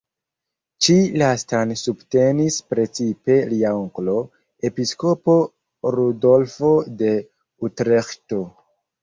Ĉi lastan subtenis precipe lia onklo, Episkopo Rudolfo de Utreĥto.